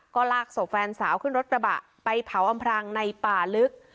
ก็ลากศพแฟนสาวขึ้นรถกระบะไปเผาอำพรางในป่าลึก